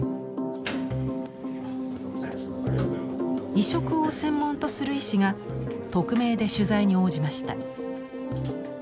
移植を専門とする医師が匿名で取材に応じました。